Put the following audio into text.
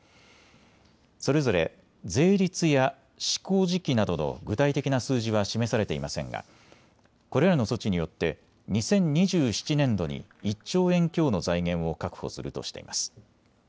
それぞれ税率や施行時期などの具体的な数字は示されていませんがこれらの措置によって２０２７年度に１兆円強の財源を確保するとしています。